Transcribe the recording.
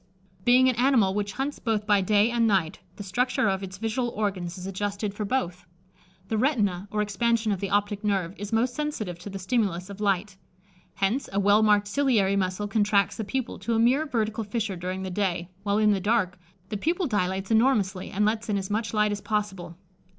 Being an animal which hunts both by day and night, the structure of its visual organs is adjusted for both. The retina, or expansion of the optic nerve, is most sensitive to the stimulus of light; hence, a well marked ciliary muscle contracts the pupil to a mere vertical fissure during the day, while in the dark, the pupil dilates enormously, and lets in as much light as possible.